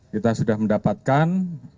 kita sudah mendapatkan